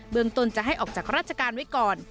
เมืองต้นจะให้ออกจากราชการไว้ก่อน